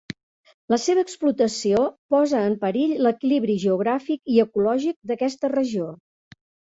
La seva explotació posa en perill l'equilibri geogràfic i ecològic d'aquesta regió.